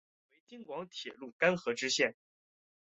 全段名为京广铁路邯和支线。